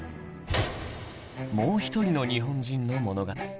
もう一人の日本人の物語